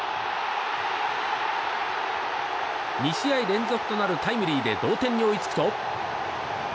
２試合連続となるタイムリーで同点に追いつくと。